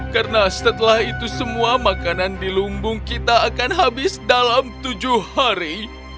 karena setelah itu semua makanan di lumbung kita akan habis dalam tujuh hari